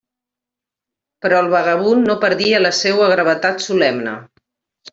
Però el vagabund no perdia la seua gravetat solemne.